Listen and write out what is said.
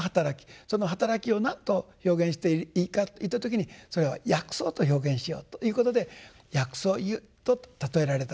その働きを何と表現していいかといった時にそれは「薬草」と表現しようということで「薬草喩」と譬えられたんだと。